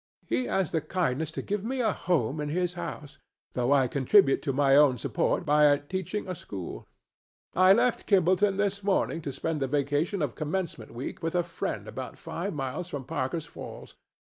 He has the kindness to give me a home in his house, though I contribute to my own support by teaching a school. I left Kimballton this morning to spend the vacation of commencement week with a friend about five miles from Parker's Falls.